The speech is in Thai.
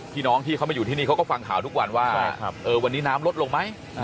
ที่เขามาอยู่ที่นี่เขาก็ฟังข่าวทุกวันว่าวันนี้น้ำลดลงไหม